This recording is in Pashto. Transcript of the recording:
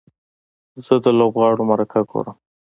زه د لوبغاړو مرکه ګورم.